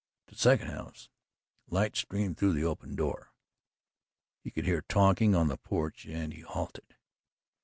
At the second house, light streamed through the open door; he could hear talking on the porch and he halted.